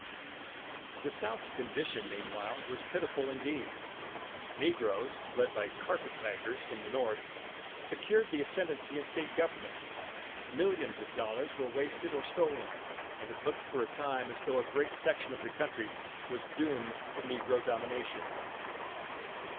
The South's condition meanwhile was pitiful indeed. Negroes, led by "carpet baggers" from the North, secured the ascendancy in state government. Millions of dollars were wasted or stolen, and it looked for a time as though a great section of the country was doomed to negro domination.